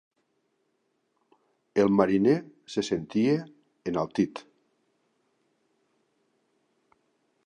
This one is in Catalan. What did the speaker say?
El mariner se sentia enaltit?